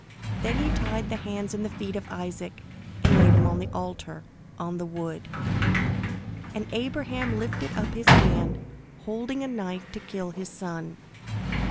Then he tied the hands and the feet of Isaac, and laid him on the altar, on the wood. And Abraham lifted up his hand, holding a knife to kill his son.